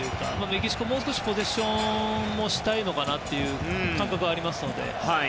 メキシコはもう少しポゼッションをしたいのかなという感覚はあるので。